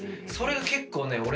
それが結構ね